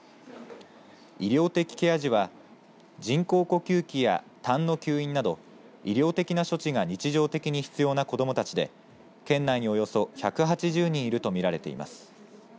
医療的ケア児は人工呼吸器や、たんの吸引など医療的な処置が日常的に必要な子どもたちで、県内におよそ１８０人いると見られています。